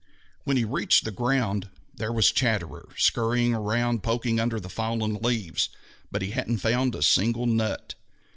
When he reached the ground, there was Chatterer scurrying around and poking under the fallen leaves, but he hadn't found a single nut.